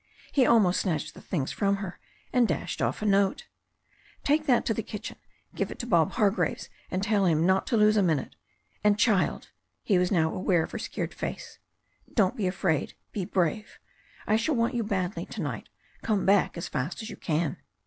He almost snatched the things from her and dashed off a note. THE STORY OF A NEW ZEALAND RIVER 85 "Take that to the kitchen, give it to Bob Hargraves, and tell him not to lose a minute. And, child," he was now aware of her scared face, "don't be afraid, be brave. I shall want you badly to night. Come back as fast as you can."